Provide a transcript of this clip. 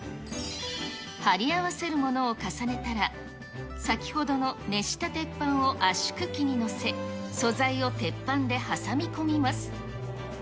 貼り合わせるものを重ねたら、先ほどの熱した鉄板を圧縮機に載せ、素材を鉄板で挟み込みます。